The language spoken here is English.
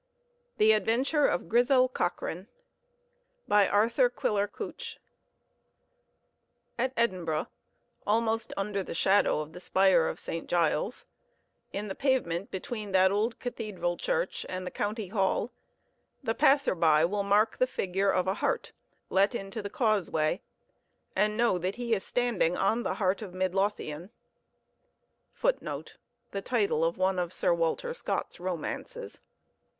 THE ADVENTURE OF GRIZEL COCHRANE By Arthur Quiller Couch At Edinburgh, almost under the shadow of the spire of St. Giles's, in the pavement between that old cathedral church and the County Hall, the passer by will mark the figure of a heart let into the causeway, and know that he is standing on the "Heart of Midlothian," [Footnote: The title of one of Sir Walter Scott's romances.